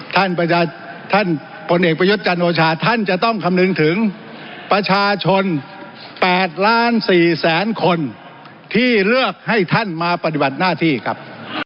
ท่านประชาชน๘ล้าน๔แสนคนที่เลือกให้ท่านมาปฏิบัติหน้าที่ครับ